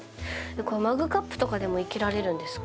マグカップとかでも生けられるんですか？